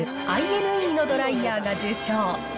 ｎｅのドライヤーが受賞。